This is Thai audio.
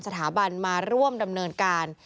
สถาบันมาร่วมดำเนินการ